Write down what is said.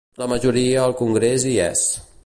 La majoria al congrés hi és.